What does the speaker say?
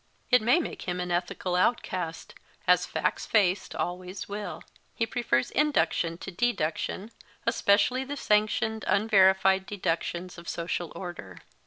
It may make him an ethical outcast, as facts faced always will. He prefers induction to deduction, especially the sanctioned unverified deductions of social order.